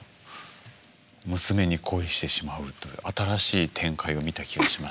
娘に恋してしまうという新しい展開を見た気がしましたが。